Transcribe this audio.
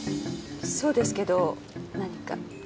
そうですけど何か？